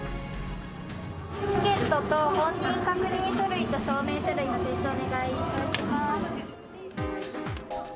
チケットと本人確認書類と証明書類の提示をお願いいたします。